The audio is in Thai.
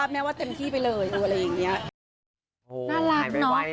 แม่ว่าเต็มที่ไปเลยอะไรอย่างนี้